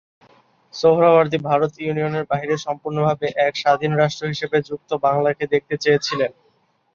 সোহরাওয়ার্দী ভারত ইউনিয়নের বাইরে সম্পূর্ণভাবে এক স্বাধীন রাষ্ট্র হিসেবে যুক্ত বাংলাকে দেখতে চেয়েছিলেন।